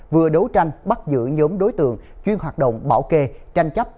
vừa đấu tranh bắt giữ nhóm đối tượng chuyên hoạt động bảo kê tranh chấp